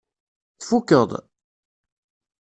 Tfukeḍ?